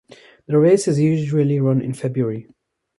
The race is usually run in February.